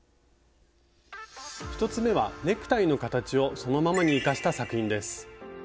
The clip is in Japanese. １つ目はネクタイの形をそのままに生かした作品です。